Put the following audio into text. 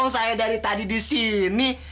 saya dari tadi di sini